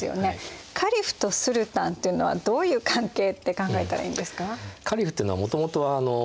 カリフとスルタンっていうのはどういう関係って考えたらいいんですか？